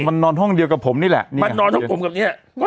มันนอนห้องเดียวกับผมนี่แหละ